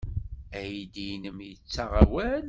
Aydi-nnem yettaɣ awal?